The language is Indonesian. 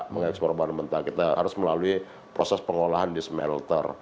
mengekspor bahan mentah kita harus melalui proses pengolahan di smelter